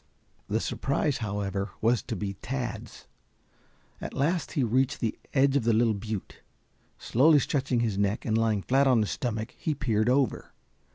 The surprise, however, was to be Tad's. At last he reached the edge of the little butte. Slowly stretching his neck and lying flat on his stomach, he peered over.